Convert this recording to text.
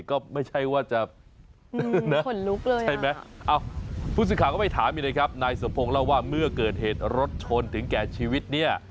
โอ้มันก็น่าจะเมื่อเกิดเหตุรถชนถึงแก่ชีวิตเนี่ย